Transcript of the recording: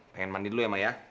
pengen mandi dulu ya mbak ya